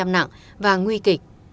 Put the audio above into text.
bảy mươi nặng và nguy kịch